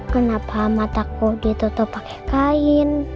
kenapa mataku ditutup pakai kain